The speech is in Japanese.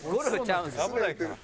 危ないから。